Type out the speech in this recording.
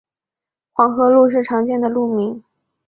黄河路是常见的路名。